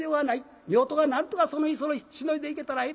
めおとがなんとかその日その日しのいでいけたらええ。